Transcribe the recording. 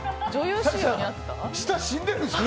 舌、死んでるんですか？